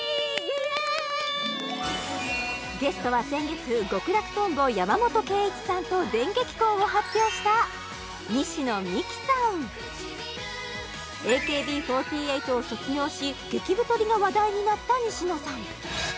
ゲストは先月極楽とんぼ・山本圭壱さんと電撃婚を発表したＡＫＢ４８を卒業し激太りが話題になった西野さん